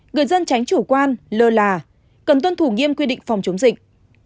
người dân tránh chủ quan lơ là cần tuân thủ nghiêm quy định phòng chống dịch